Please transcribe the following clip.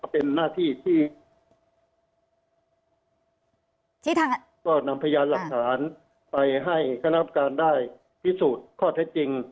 เป็นหน้าที่ที่ทางก็นำพยานหลักฐานไปให้คณะกรรมการได้พิสูจน์ข้อเท็จจริง